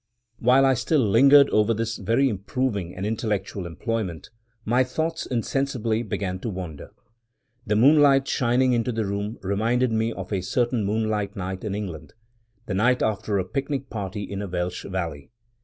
While I still lingered over this very improving and intellectual employment, my thoughts insensibly began to wander. The moonlight shining into the room reminded me of a certain moonlight night in England — the night after a picnic party in a Welsh valley.